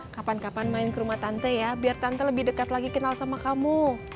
kapan kapan main ke rumah tante ya biar tante lebih dekat lagi kenal sama kamu